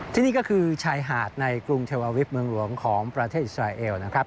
ที่นี่ก็คือชายหาดในกรุงเทวาวิทย์เมืองหลวงของประเทศอิสราเอลนะครับ